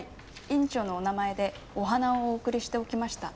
院長のお名前でお花をお贈りしておきました。